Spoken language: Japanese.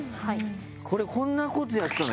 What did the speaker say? これこんな事やってたんだ。